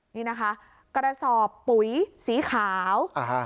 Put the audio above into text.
นี่นะคะกระสอบปุ๋ยสีขาว